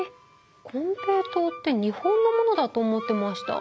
金平糖って日本のものだと思ってました。